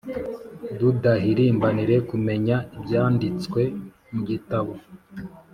dudahirimbanire kumenya ibyanditswe mu gitabo